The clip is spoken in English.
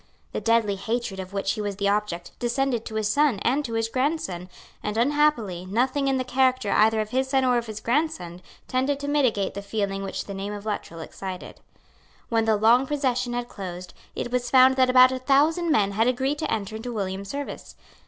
The deadly hatred of which he was the object descended to his son and to his grandson; and, unhappily, nothing in the character either of his son or of his grandson tended to mitigate the feeling which the name of Luttrell excited. When the long procession had closed, it was found that about a thousand men had agreed to enter into William's service.